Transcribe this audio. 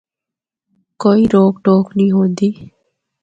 کوئی روک ٹوک نیں ہوندی۔